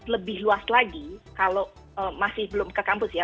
lebih luas lagi kalau masih belum ke kampus ya